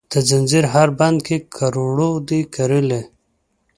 د ځنځیر هر بند کې کروړو دي کرلې،